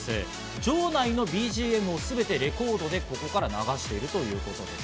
場内のＢＧＭをすべてレコードでここから流しているということです。